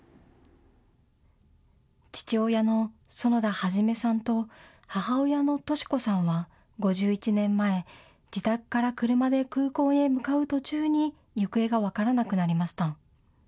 父親の園田一さんと母親のトシ子さんは５１年前、自宅から車で空港へ向かう途中に行方が分からなくなりました。